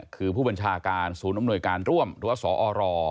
คือผู้บัญชาการศูนย์อำนวยการร่วมหรือว่าสอร